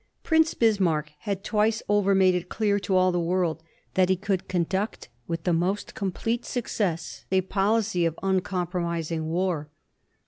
Prince Bismarck had twice over made it clear to all the world that he could conduct to the most complete success a policy of uncom promising war.